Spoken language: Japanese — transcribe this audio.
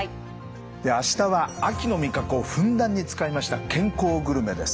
明日は秋の味覚をふんだんに使いました健康グルメです。